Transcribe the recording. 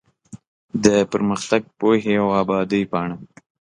د پرمختګ ، پوهې او ابادۍ پاڼه